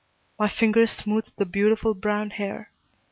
My fingers smoothed the beautiful brown hair.